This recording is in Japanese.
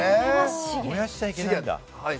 燃やしちゃいけないんだ？